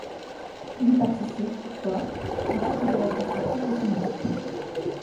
Il y participe, toutefois, en tant que directeur sportif de son équipe.